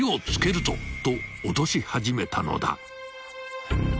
［と脅し始めたのだ］